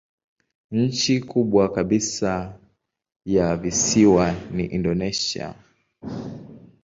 Nchi kubwa kabisa ya visiwani ni Indonesia.